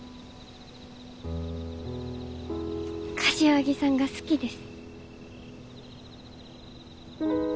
柏木さんが好きです。